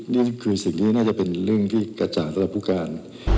นี่คือสิ่งที่น่าจะเป็นเรื่องที่กระจ่างสำหรับผู้การ